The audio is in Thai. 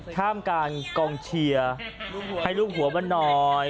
ข้ามการกองเชียร์ให้ลูกหัวมันหน่อย